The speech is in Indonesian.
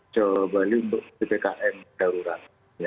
jawa bali untuk ppkm darurat